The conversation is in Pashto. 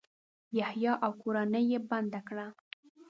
یحیی او کورنۍ یې بنده کړه.